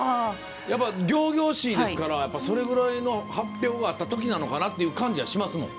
仰々しいですからそれぐらいの発表があったときなのかなっていう感じがします。